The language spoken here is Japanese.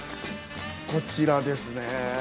こちらですね。